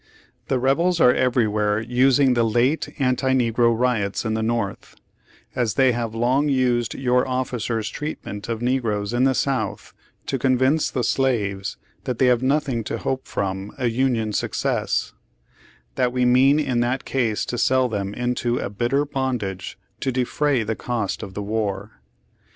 The Rebels are everywhere using the late anti negro riots in the North — as they have long used your officers' treatment of negroes in the South to convince the slaves that they have nothing to hope from a Union success — that we mean in that case to sell them into a bitter bondage to defray the cost of the war.